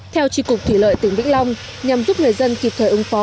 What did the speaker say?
theo tri cục thủy lợi tỉnh vĩnh long nhằm giúp người dân kịp thời ứng phó